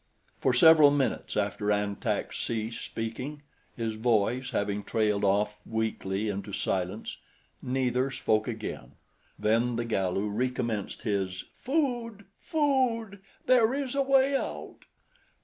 For several minutes after An Tak ceased speaking, his voice having trailed off weakly into silence, neither spoke again. Then the Galu recommenced his, "Food! Food! There is a way out!"